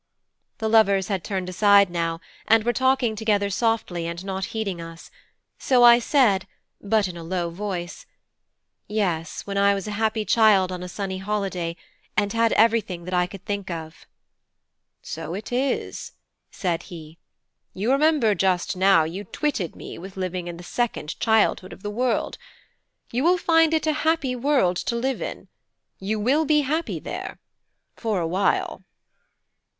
The lovers had turned aside now, and were talking together softly, and not heeding us; so I said, but in a low voice: "Yes, when I was a happy child on a sunny holiday, and had everything that I could think of." "So it is," said he. "You remember just now you twitted me with living in the second childhood of the world. You will find it a happy world to live in; you will be happy there for a while."